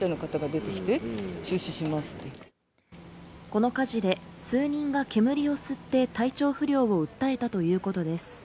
この火事で数人が煙を吸って体調不良を訴えたということです。